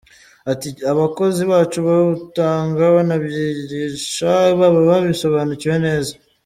Ati” Abakozi bacu babutanga banabyigisha baba babisobanukiwe neza.